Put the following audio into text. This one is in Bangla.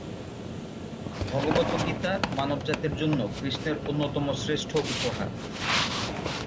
ভগবদ্গীতা মানবজাতির জন্য কৃষ্ণের অন্যতম শ্রেষ্ঠ উপহার।